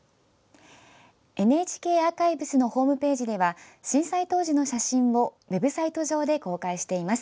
ＮＨＫアーカイブスのホームページでは震災当時の写真をウェブサイト上で公開しています。